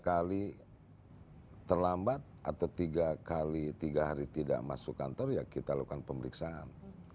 tiga kali terlambat atau tiga kali tiga hari tidak masuk kantor ya kita lakukan pemeriksaan